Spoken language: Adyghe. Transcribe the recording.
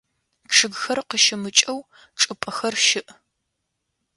Чъыгхэр къыщымыкӏэу чӏыпӏэхэр щыӏ.